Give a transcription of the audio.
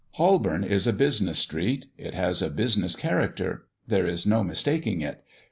Holborn is a business street. It has a business character; there is no mistaking it.